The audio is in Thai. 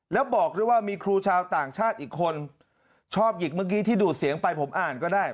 แล้วบอกด้วยว่ามีครูชาวต่างชาติอีกคนชอบหยิกเมื่อกี้ที่ดูดเสียงไปผมอ่านก็ได้